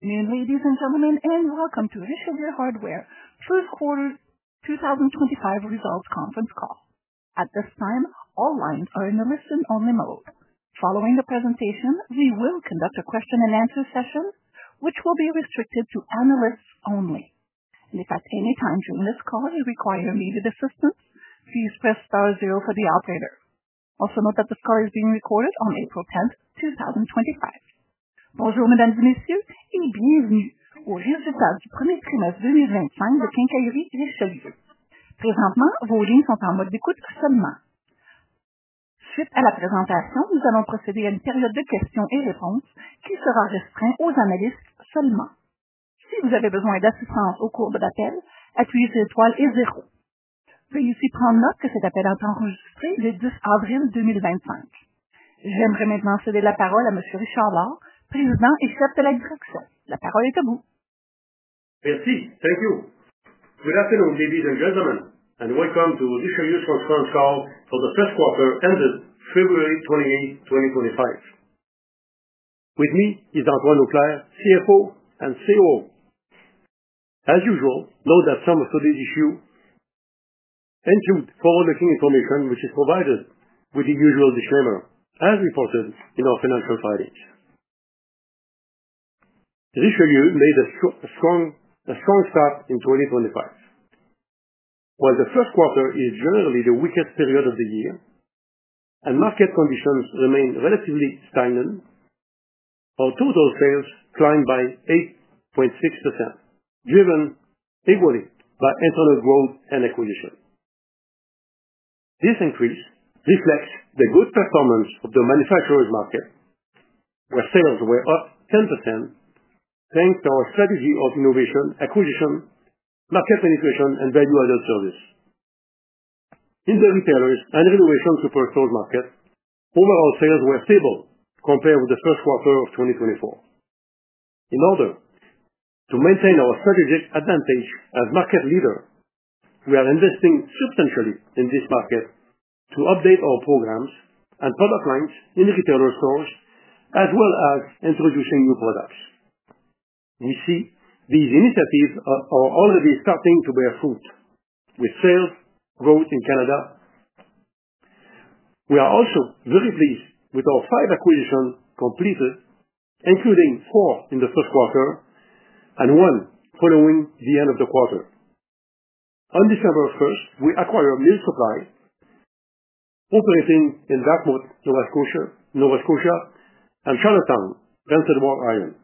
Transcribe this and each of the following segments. Main ladies and gentlemen, and welcome to Richelieu Hardware, first quarter 2025 results conference call. At this time, all lines are in the listen-only mode. Following the presentation, we will conduct a question-and-answer session, which will be restricted to analysts only. If at any time during this call you require immediate assistance, please press star zero for the operator. Also note that this call is being recorded on April 10, 2025. Bonjour, mesdames et messieurs, et bienvenue aux résultats du premier trimestre 2025 de quincaillerie Richelieu. Présentement, vos lignes sont en mode d'écoute seulement. Suite à la présentation, nous allons procéder à une période de questions et réponses qui sera restreinte aux analystes seulement. Si vous avez besoin d'assistance au cours de l'appel, appuyez sur l'étoile et zéro. Veuillez aussi prendre note que cet appel est enregistré le 10 avril 2025. J'aimerais maintenant céder la parole à Monsieur Richard Lord, président et chef de la direction. La parole est à vous. Merci, thank you. Good afternoon, ladies and gentlemen, and welcome to Richelieu Hardware's conference call for the Q1 ended February 28, 2025. With me is Antoine Auclair, CFO and COO. As usual, note that some of today's issues include forward-looking information, which is provided with the usual disclaimer, as reported in our financial findings. Richelieu Hardware made a strong start in 2025. While the first quarter is generally the weakest period of the year and market conditions remain relatively stagnant, our total sales climbed by 8.6%, driven equally by internal growth and acquisition. This increase reflects the good performance of the manufacturers' market, where sales were up 10%, thanks to our strategy of innovation, acquisition, market penetration, and value-added service. In the retailers' and renovation superstores market, overall sales were stable compared with the Q1 of 2024. In order to maintain our strategic advantage as market leaders, we are investing substantially in this market to update our programs and product lines in retailers' stores, as well as introducing new products. We see these initiatives are already starting to bear fruit with sales growth in Canada. We are also very pleased with our five acquisitions completed, including four in the first quarter and one following the end of the quarter. On December 1, we acquired Mill Supply, operating in Dartmouth, Nova Scotia, and Charlottetown, Prince Edward Island.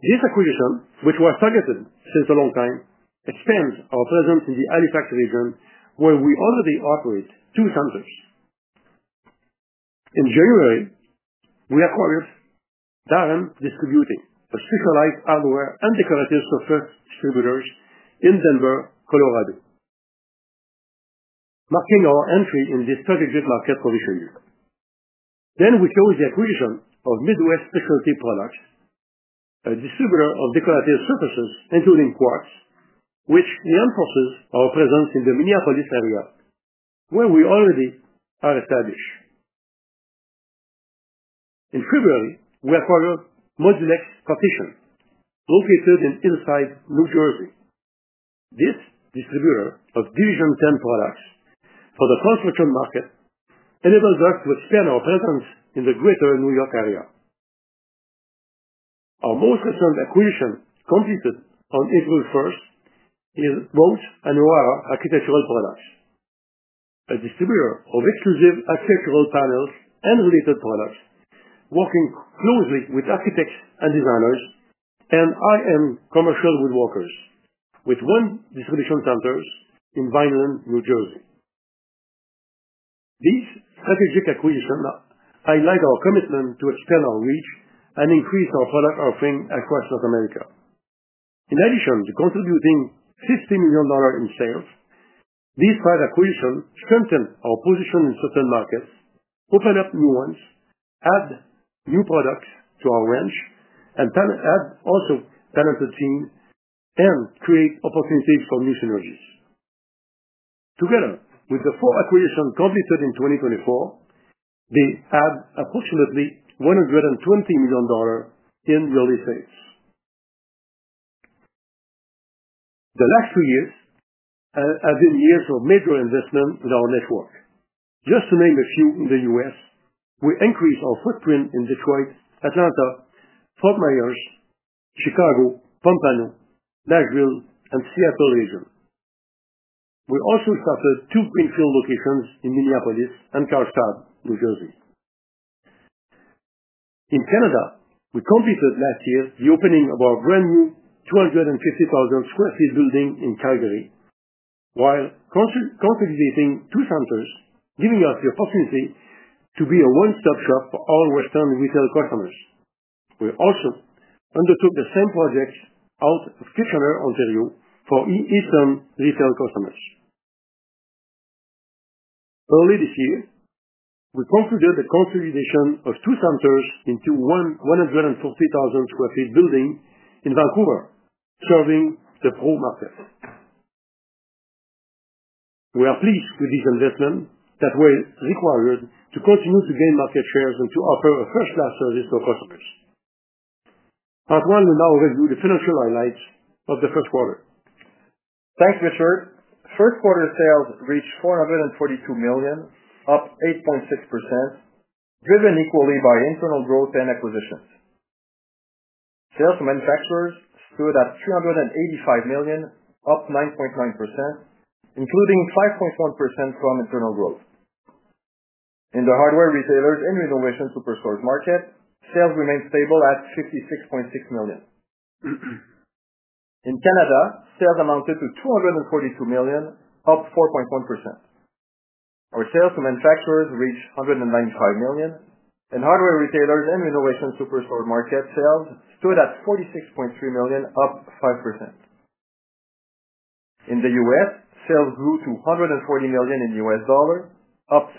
This acquisition, which was targeted since a long time, expands our presence in the Halifax region, where we already operate two centers. In January, we acquired Darren Distributing, a specialized hardware and decorative surfaces distributor in Denver, Colorado, marking our entry in the strategic market for Richelieu. We closed the acquisition of Midwest Specialty Products, a distributor of decorative surfaces, including quartz, which reinforces our presence in the Minneapolis area, where we already are established. In February, we acquired Modulex Partition, located in Hillside, New Jersey. This distributor of Division 10 products for the construction market enables us to expand our presence in the greater New York area. Our most recent acquisition, completed on April 1, is Waltz and O'Hara Architectural Products, a distributor of exclusive architectural panels and related products, working closely with architects and designers and high-end commercial woodworkers, with one distribution center in Vineland, New Jersey. These strategic acquisitions highlight our commitment to expand our reach and increase our product offering across North America. In addition to contributing $50 million in sales, these five acquisitions strengthen our position in certain markets, open up new ones, add new products to our range, and also talented teams and create opportunities for new synergies. Together with the four acquisitions completed in 2024, they add approximately $120 million in yearly sales. The last two years have been years of major investment in our network. Just to name a few in the U.S., we increased our footprint in Detroit, Atlanta, Fort Myers, Chicago, Pompano, Nashville, and Seattle region. We also started two greenfield locations in Minneapolis and Carlstadt, New Jersey. In Canada, we completed last year the opening of our brand new 250,000 sq ft building in Calgary, while consolidating two centers, giving us the opportunity to be a one-stop shop for all Western retail customers. We also undertook the same projects out of Kitchener, Ontario, for Eastern retail customers. Early this year, we concluded the consolidation of two centers into a 140,000 sq ft building in Vancouver, serving the pro market. We are pleased with this investment that we're required to continue to gain market shares and to offer a first-class service to our customers. Antoine will now review the financial highlights of the first quarter. Thanks, Richard. First quarter sales reached 442 million, up 8.6%, driven equally by internal growth and acquisitions. Sales to manufacturers stood at 385 million, up 9.9%, including 5.1% from internal growth. In the hardware retailers' and renovation superstores market, sales remained stable at 56.6 million. In Canada, sales amounted to 242 million, up 4.1%. Our sales to manufacturers reached 195 million, and hardware retailers' and renovation superstores market sales stood at CAD 46.3 million, up 5%. In the U.S., sales grew to $140 million, up 7.6%,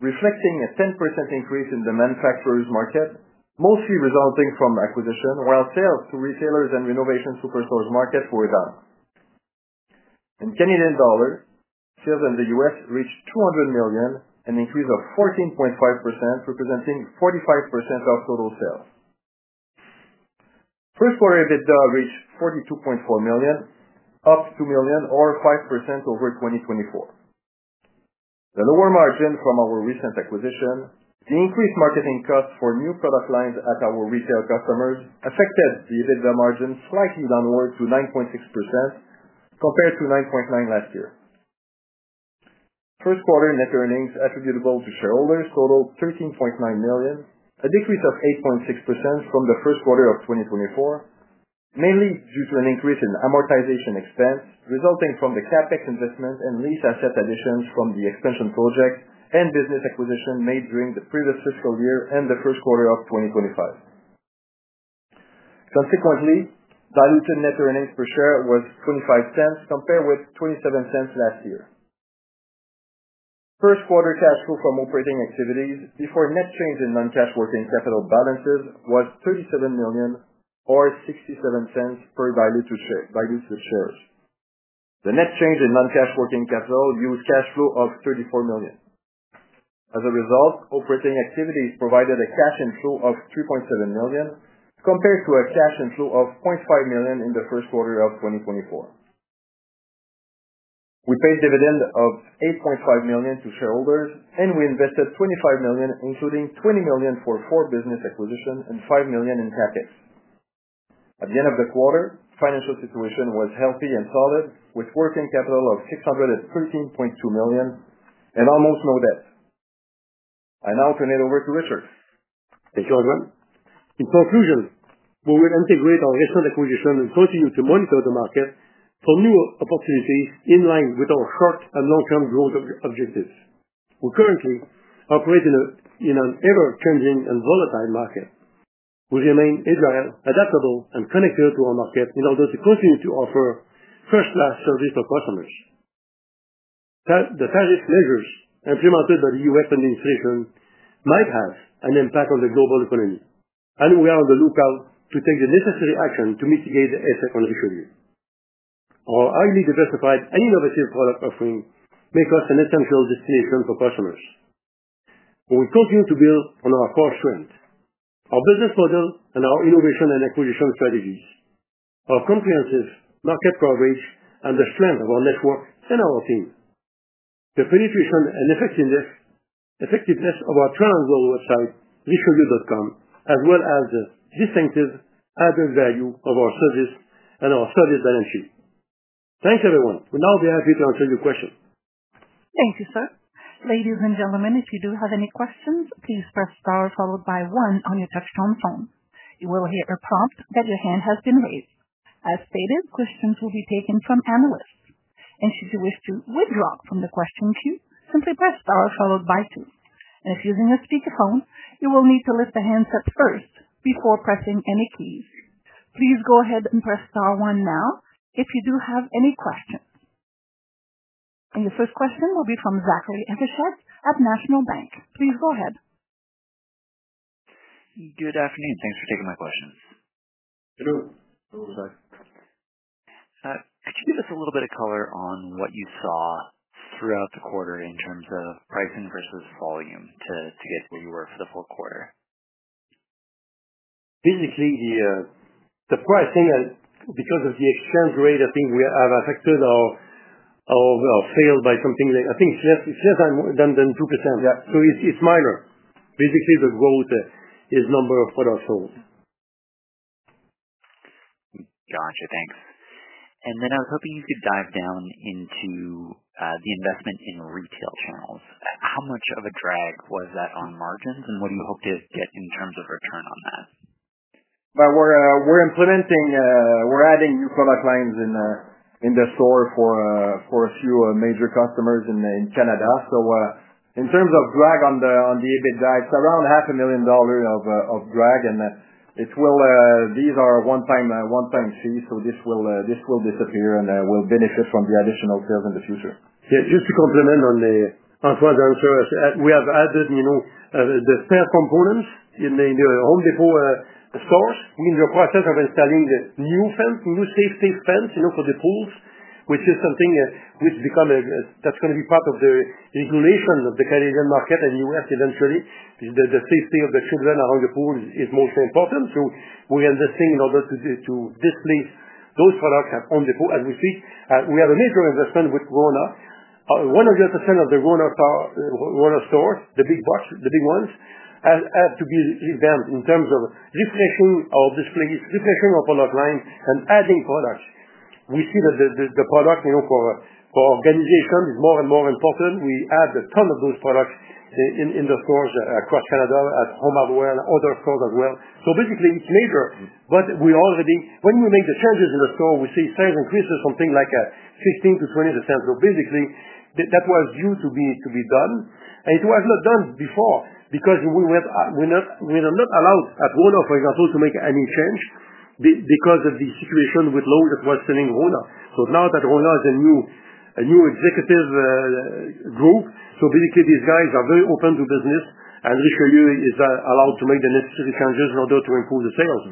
reflecting a 10% increase in the manufacturers' market, mostly resulting from acquisition, while sales to retailers' and renovation superstores markets were down. In Canadian dollars, sales in the U.S. reached 200 million, an increase of 14.5%, representing 45% of total sales. First quarter EBITDA reached 42.4 million, up CAD 2 million or 5% over 2024. The lower margin from our recent acquisition, the increased marketing costs for new product lines at our retail customers, affected the EBITDA margin slightly downward to 9.6% compared to 9.9% last year. First quarter net earnings attributable to shareholders totaled 13.9 million, a decrease of 8.6% from the first quarter of 2024, mainly due to an increase in amortization expense resulting from the CapEx investment and lease asset additions from the expansion project and business acquisition made during the previous fiscal year and the first quarter of 2025. Consequently, diluted net earnings per share was $0.25, compared with $0.27 last year. First quarter cash flow from operating activities before net change in non-cash working capital balances was 37 million or $0.67 per diluted shares. The net change in non-cash working capital used cash flow of 34 million. As a result, operating activities provided a cash inflow of $3.7 million compared to a cash inflow of $0.5 million in the first quarter of 2024. We paid dividend of $8.5 million to shareholders, and we invested $25 million, including $20 million for four business acquisitions and $5 million in CapEx. At the end of the quarter, financial situation was healthy and solid, with working capital of $613.2 million and almost no debt. I now turn it over to Richard. Thank you, Antoine. In conclusion, we will integrate our recent acquisition and continue to monitor the market for new opportunities in line with our short and long-term growth objectives. We currently operate in an ever-changing and volatile market. We remain agile, adaptable, and connected to our market in order to continue to offer first-class service to customers. The tariff measures implemented by the U.S. administration might have an impact on the global economy, and we are on the lookout to take the necessary action to mitigate the effect on Richelieu. Our highly diversified and innovative product offering make us an essential destination for customers. We continue to build on our core strength, our business model, and our innovation and acquisition strategies, our comprehensive market coverage, and the strength of our network and our team, the penetration and effectiveness of our transactional website, richelieu.com, as well as the distinctive added value of our service and our solid balance sheet. Thanks, everyone. We'll now be happy to answer your questions. Thank you, sir. Ladies and gentlemen, if you do have any questions, please press star followed by one on your touch-tone phone. You will hear a prompt that your hand has been raised. As stated, questions will be taken from analysts. Should you wish to withdraw from the question queue, simply press star followed by two. If using a speakerphone, you will need to lift the handset first before pressing any keys. Please go ahead and press star one now if you do have any questions. Your first question will be from Zachary Evershed at National Bank. Please go ahead. Good afternoon. Thanks for taking my questions. Hello. Hello, Zach. Could you give us a little bit of color on what you saw throughout the quarter in terms of pricing versus volume to get where you were for the full quarter? Basically, the pricing, because of the exchange rate, I think we have affected our sales by something like I think it's less than 2%. So it's minor. Basically, the growth is number of products sold. Gotcha. Thanks. I was hoping you could dive down into the investment in retail channels. How much of a drag was that on margins, and what do you hope to get in terms of return on that? We're adding new product lines in the store for a few major customers in Canada. In terms of drag on the EBITDA, it's around $500,000 of drag, and these are one-time fees, so this will disappear and will benefit from the additional sales in the future. Yeah. Just to complement on Antoine's answer, we have added the fence components in the Home Depot stores. We're in the process of installing the new fence, new safety fence for the pools, which is something which becomes that's going to be part of the regulation of the Canadian market and US eventually. The safety of the children around the pool is most important. We are investing in order to displace those products at Home Depot as we speak. We have a major investment with RONA. 100% of the RONA stores, the big ones, have to be revamped in terms of refreshing our displays, refreshing our product lines, and adding products. We see that the product for organization is more and more important. We add a ton of those products in the stores across Canada at Home Hardware and other stores as well. Basically, it's major, but we already, when we make the changes in the store, we see sales increase to something like 15%-20%. Basically, that was due to be done, and it was not done before because we were not allowed at RONA, for example, to make any change because of the situation with Lowe's that was selling RONA. Now that RONA is a new executive group, these guys are very open to business, and Richelieu is allowed to make the necessary changes in order to improve the sales.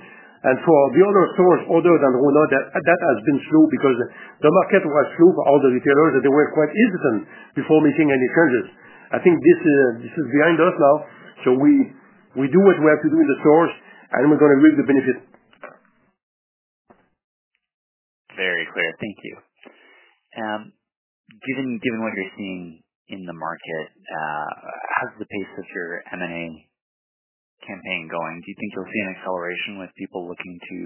For the other stores other than RONA, that has been slow because the market was slow for all the retailers, and they were quite hesitant before making any changes. I think this is behind us now. We do what we have to do in the stores, and we're going to reap the benefit. Very clear. Thank you. Given what you're seeing in the market, how's the pace of your M&A campaign going? Do you think you'll see an acceleration with people looking to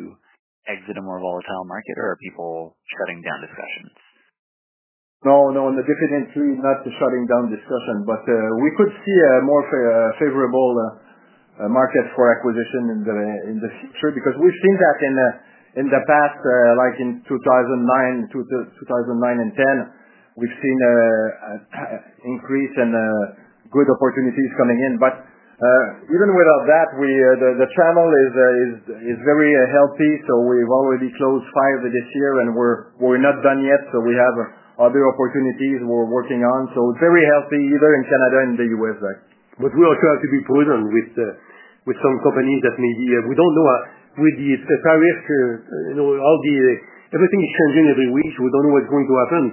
exit a more volatile market, or are people shutting down discussions? No, no. Definitely not shutting down discussion, but we could see a more favorable market for acquisition in the future because we've seen that in the past, like in 2009 and 2010, we've seen an increase in good opportunities coming in. Even without that, the channel is very healthy. We've already closed five this year, and we're not done yet. We have other opportunities we're working on. It is very healthy either in Canada and the U.S., Zach. We also have to be prudent with some companies that maybe we do not know with the tariff, everything is changing every week. We do not know what is going to happen.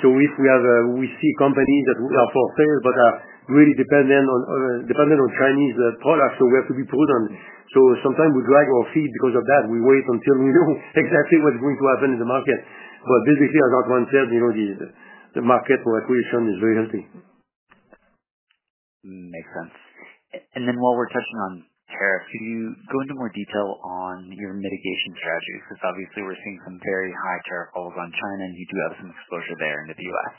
If we see companies that are for sale but are really dependent on Chinese products, we have to be prudent. Sometimes we drag our feet because of that. We wait until we know exactly what is going to happen in the market. Basically, as Antoine said, the market for acquisition is very healthy. Makes sense. While we're touching on tariffs, could you go into more detail on your mitigation strategies? Because obviously, we're seeing some very high tariff levels on China, and you do have some exposure there into the U.S.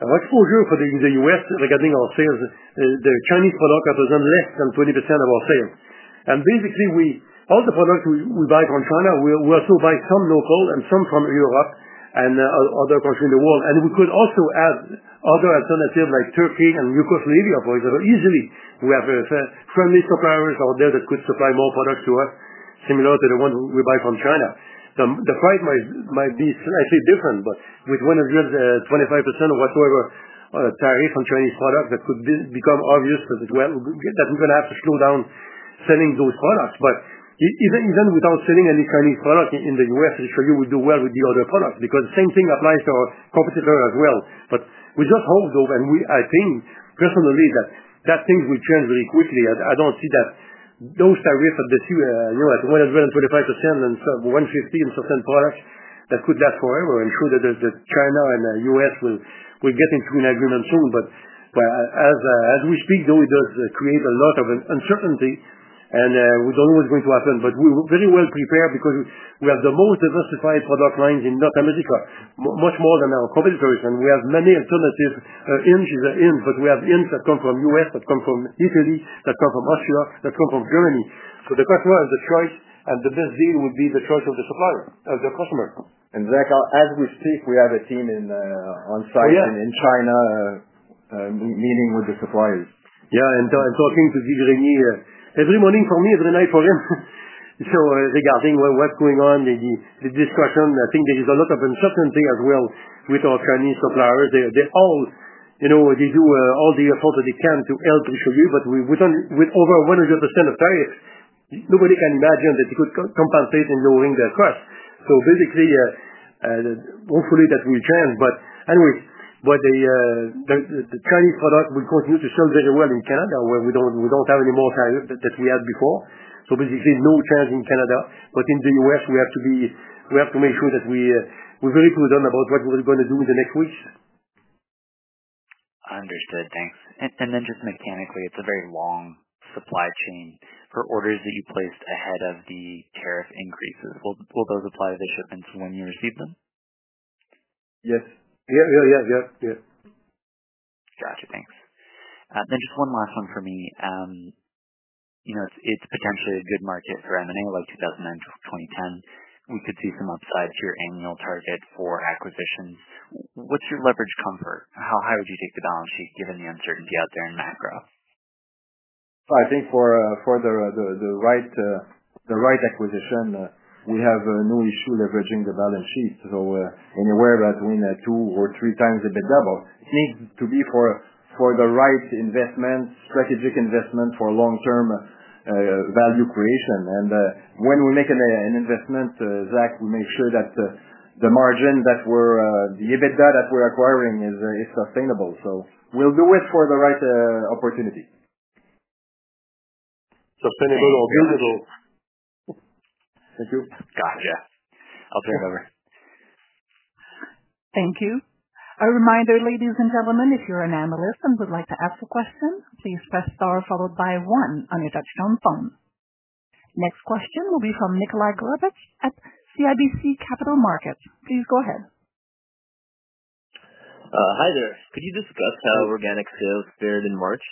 Our exposure in the U.S. regarding our sales, the Chinese product represents less than 20% of our sales. Basically, all the products we buy from China, we also buy some local and some from Europe and other countries in the world. We could also add other alternatives like Turkey and Yugoslavia, for example, easily. We have friendly suppliers out there that could supply more products to us, similar to the ones we buy from China. The price might be slightly different, but with 125% or whatsoever tariff on Chinese products, that could become obvious that we're going to have to slow down selling those products. Even without selling any Chinese product in the U.S., Richelieu Hardware will do well with the other products because the same thing applies to our competitor as well. I just hope, and I think personally that things will change very quickly. I don't see that those tariffs at 125% and 150% on certain products could last forever and show that China and the U.S. will get into an agreement soon. As we speak, though, it does create a lot of uncertainty, and we don't know what's going to happen. We are very well prepared because we have the most diversified product lines in North America, much more than our competitors. We have many alternative hinges, but we have hinges that come from the U.S., that come from Italy, that come from Austria, that come from Germany. The customer has the choice, and the best deal would be the choice of the supplier, of the customer. Zach, as we speak, we have a team on site in China meeting with the suppliers. Yeah. Talking to Jerry Ni, every morning for me, every night for him. Regarding what's going on, the discussion, I think there is a lot of uncertainty as well with our Chinese suppliers. They do all the effort that they can to help Richelieu, but with over 100% of tariffs, nobody can imagine that they could compensate and lower their costs. Basically, hopefully, that will change. Anyway, the Chinese product will continue to sell very well in Canada, where we do not have any more tariffs that we had before. Basically, no change in Canada. In the U.S., we have to make sure that we're very prudent about what we're going to do in the next weeks. Understood. Thanks. Just mechanically, it's a very long supply chain for orders that you placed ahead of the tariff increases. Will those apply to the shipments when you receive them? Yes. Gotcha. Thanks. Then just one last one for me. It's potentially a good market for M&A like 2009 to 2010. We could see some upside to your annual target for acquisitions. What's your leverage comfort? How high would you take the balance sheet given the uncertainty out there in macro? I think for the right acquisition, we have no issue leveraging the balance sheet. Anywhere between two or three times EBITDA. It needs to be for the right investment, strategic investment for long-term value creation. When we make an investment, Zach, we make sure that the margin that we're, the EBITDA that we're acquiring is sustainable. We will do it for the right opportunity. Sustainable or visible. Thank you. Gotcha. I'll turn it over. Thank you. A reminder, ladies and gentlemen, if you're an analyst and would like to ask a question, please press star followed by one on your touch-tone phone. Next question will be from Nikolai Gouropitch at CIBC Capital Markets. Please go ahead. Hi there. Could you discuss how organic sales fared in March?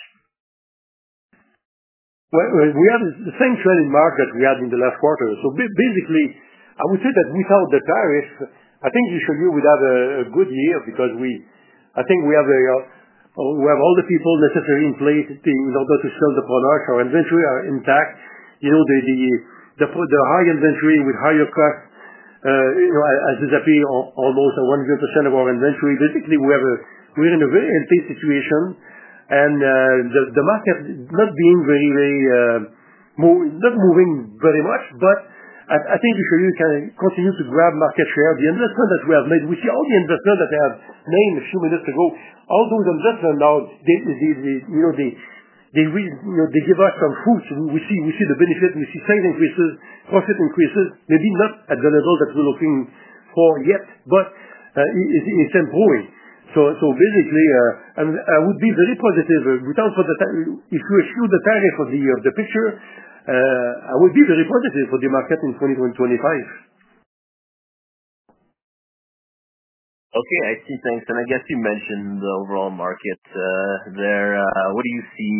We had the same trend in markets we had in the last quarter. Basically, I would say that without the tariffs, I think Richelieu would have a good year because I think we have all the people necessary in place in order to sell the products. Our inventory are intact. The high inventory with higher costs has disappeared almost 100% of our inventory. Basically, we're in a very healthy situation, and the market not being very, very not moving very much, but I think Richelieu can continue to grab market share. The investment that we have made, we see all the investment that I have named a few minutes ago, all those investments now, they give us some food. We see the benefit. We see sales increases, profit increases, maybe not at the level that we're looking for yet, but it's improving. Basically, I would be very positive. If you exclude the tariff of the picture, I would be very positive for the market in 2025. Okay. I see. Thanks. I guess you mentioned the overall market there. What do you see?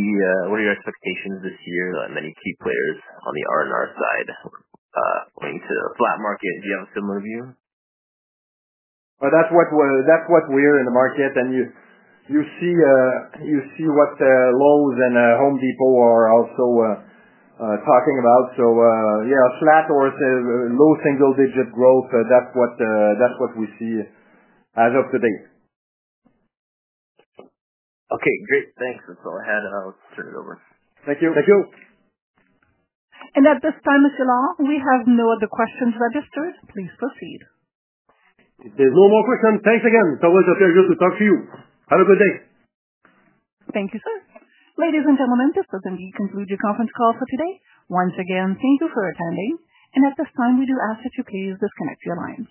What are your expectations this year? Many key players on the R&R side going to a flat market. Do you have a similar view? That's what we're in the market, and you see what Lowe's and Home Depot are also talking about. Yeah, flat or low single-digit growth, that's what we see as of today. Okay. Great. Thanks. That's all I had. I'll turn it over. Thank you. Thank you. At this time, Mr. Lord, we have no other questions registered. Please proceed. There's no more questions. Thanks again. It's always a pleasure to talk to you. Have a good day. Thank you, sir. Ladies and gentlemen, this does indeed conclude your conference call for today. Once again, thank you for attending. At this time, we do ask that you please disconnect your lines.